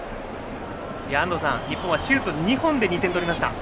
安藤さん、日本はシュート２本で２点取りましたね。